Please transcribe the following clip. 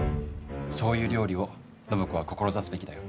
そういう料理を暢子は志すべきだよ。